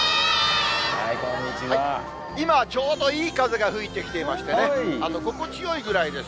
今、ちょうどいい風が吹いてきていましてね、心地よいぐらいです。